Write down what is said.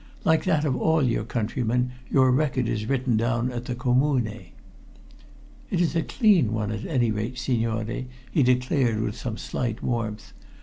"Like that of all your countrymen, your record is written down at the Commune." "It is a clean one, at any rate, signore," he declared with some slight warmth.